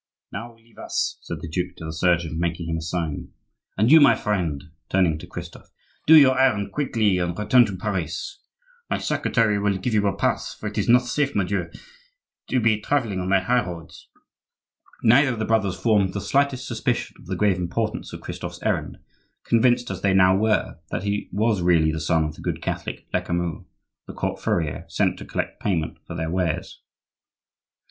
"Now leave us," said the duke to the surgeon, making him a sign. "And you my friend," turning to Christophe; "do your errand quickly and return to Paris. My secretary will give you a pass, for it is not safe, mordieu, to be travelling on the high roads!" Neither of the brothers formed the slightest suspicion of the grave importance of Christophe's errand, convinced, as they now were, that he was really the son of the good Catholic Lecamus, the court furrier, sent to collect payment for their wares.